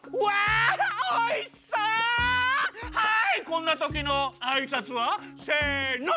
こんなときのあいさつは？せの！